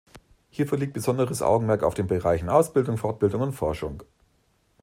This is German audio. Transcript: Hierfür liegt besonderes Augenmerk auf den Bereichen Ausbildung, Fortbildung und Forschung.